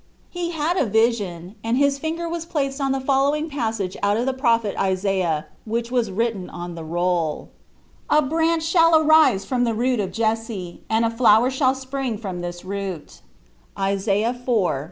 He had a vision, and his finger was placed on the following passage out of the Prophet Isaiah which was written on the roll : "A branch shall arise from the root of Jesse and a flower shall spring from this root" (Isaiah ix. i).